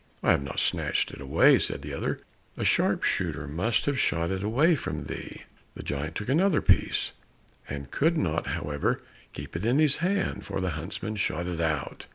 "I have not snatched it away," said the other, "a sharpshooter must have shot it away from thee." The giant took another piece, but could not, however, keep it in his hand, for the huntsman shot it out.